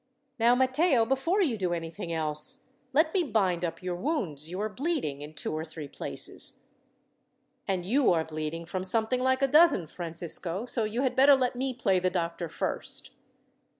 "Now, Matteo, before you do anything else, let me bind up your wounds. You are bleeding in two or three places." "And you are bleeding from something like a dozen, Francisco, so you had better let me play the doctor first."